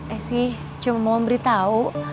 esy cuma mau beritahu